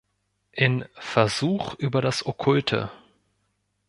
In "Versuch über das Okkulte.